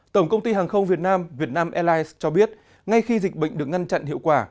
tổng công ty hàng không việt nam vietnam airlines cho biết ngay khi dịch bệnh được ngăn chặn hiệu quả